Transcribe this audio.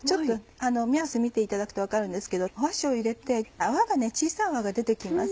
目安見ていただくと分かるんですけど箸を入れて小さい泡が出て来ます。